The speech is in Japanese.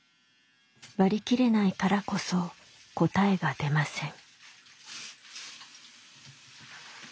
割り切れないからこそ答えが出ません。